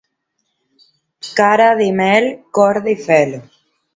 Cara de mel, cor de fel.